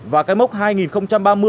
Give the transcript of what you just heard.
và cái mốc hai nghìn ba mươi